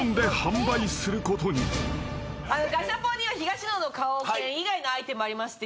ガシャポンには東野の顔犬以外のアイテムもありまして。